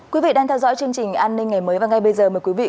các bạn đang theo dõi chương trình an ninh ngày mới và ngay bây giờ mời quý vị